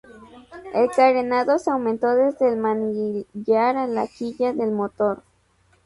El carenado se aumentó, desde el manillar a la quilla del motor.